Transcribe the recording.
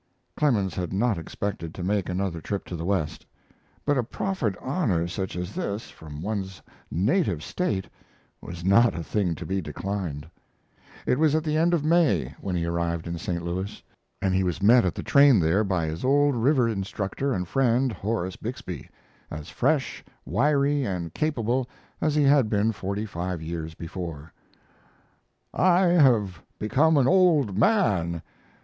Clemens had not expected to make another trip to the West, but a proffered honor such as this from one's native State was not a thing to be declined. It was at the end of May when he arrived in St. Louis, and he was met at the train there by his old river instructor and friend, Horace Bixby as fresh, wiry, and capable as he had been forty five years before. "I have become an old man.